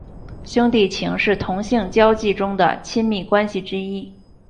兄弟情是同性交际中的亲密关系之一。